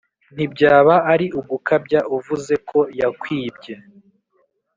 ntibyaba ari ugukabya uvuze ko yakwibye